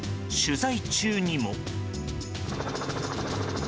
取材中にも。